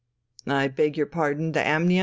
"I beg your pardon.... The amnion?"